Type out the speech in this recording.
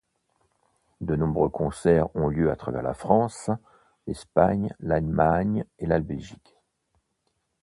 De nombreux concerts ont lieu à travers la France, l'Espagne, l'Allemagne et la Belgique.